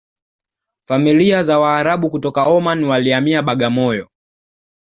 familia za waarabu kutoka Oman walihamia Bagamoyo